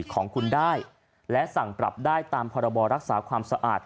ของคุณได้และสั่งปรับได้ตามพรบรักษาความสะอาด